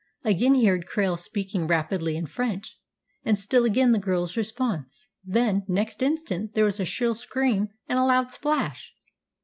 Again he heard Krail speaking rapidly in French, and still again the girl's response. Then, next instant, there was a shrill scream and a loud splash.